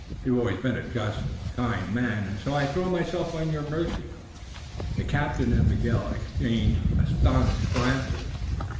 You've always been a just but kind man, and so I throw myself on your mercy." The captain and Miguel exchanged astonished glances.